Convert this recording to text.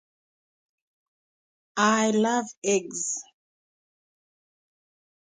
Gorbachev on the other hand was never able to turn words into deeds.